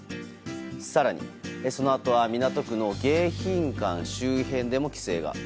更に、そのあとは港区の迎賓館周辺でも規制が。